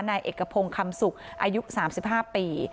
ในเอกพงคำสุขอายุ๓๕ปี